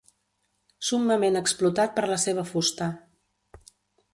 Summament explotat per la seva fusta.